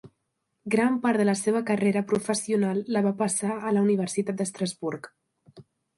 Gran part de la seva carrera professional la va passar a la Universitat d'Estrasburg.